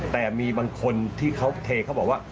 แต่มีบางคนที่เขาเทเขาบอกว่า